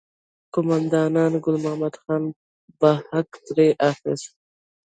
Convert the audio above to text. قوماندان ګل محمد خان به حق ترې اخیست.